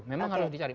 memang harus dicari